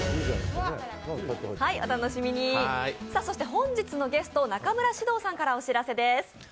本日のゲスト、中村獅童さんからお知らせです。